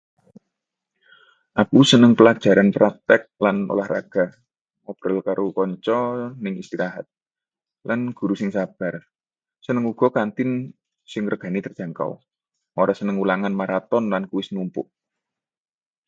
Aku seneng pelajaran praktek lan olah raga, ngobrol karo kanca neng istirahat, lan guru sing sabar. Seneng uga kantin sing regane terjangkau. Ora seneng ulangan maraton lan tugas numpuk.